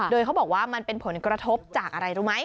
โดยเขาบอกว่ามันเป็นผลกระทบจากอะไรรู้ไหม